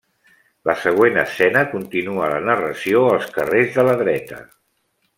La següent escena continua la narració als carrers de la dreta.